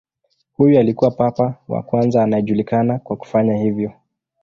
Huyu alikuwa papa wa kwanza anayejulikana kwa kufanya hivyo.